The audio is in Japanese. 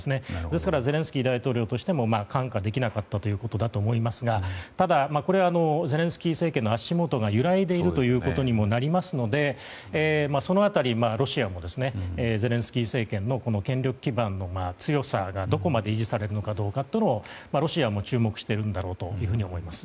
ですからゼレンスキー大統領としても看過できなかったということだと思いますがただ、これはゼレンスキー政権の足元が揺らいでいるということにもなりますのでその辺り、ロシアもゼレンスキー政権の権力基盤の強さがどこまで維持されるのかどうかをロシアも注目しているんだろうと思います。